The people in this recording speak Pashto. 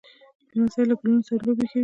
لمسی له ګلونو سره لوبې کوي.